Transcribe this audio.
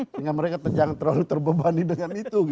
sehingga mereka jangan terlalu terbebani dengan itu